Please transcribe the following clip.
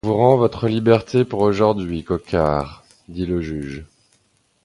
Je vous rends votre liberté pour aujourd’hui, Coquart, dit le juge.